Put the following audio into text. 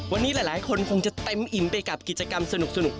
วันนี้หลายคนคงจะเต็มอิ่มไปกับกิจกรรมสนุก